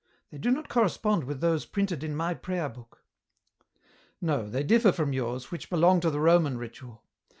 They do not correspond with those printed in my prayer book." " No, they differ from yours, which belong to the Roman ritual.